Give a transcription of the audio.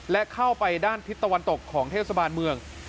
และเข้าไปด้านทิศตะวันตกของเทศบาลเมือง